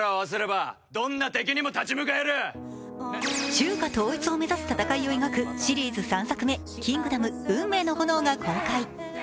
中華統一を目指す戦いを描くシリーズ３作目「キングダム運命の炎」が公開。